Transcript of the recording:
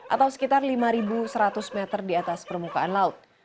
atau sekitar lima seratus meter di atas permukaan laut